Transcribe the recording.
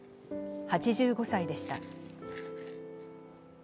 ８５歳でした。